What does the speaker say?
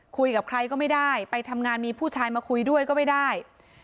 คุยกับใครก็ไม่ได้ไปทำงานมีผู้ชายมาคุยด้วยก็ไม่ได้